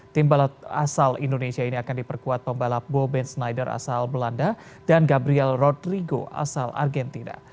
tim balap asal indonesia ini akan diperkuat pembalap boben snyder asal belanda dan gabriel rodrigo asal argentina